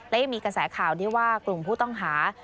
และยังมีกระแสข่าวที่ว่ากลุ่มผู้ต้องหา